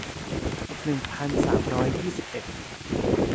หนึ่งพันสามร้อยยี่สิบเอ็ด